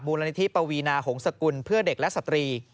มูลนิธิปวีนาหงษกุลเพื่อเด็กและสตรี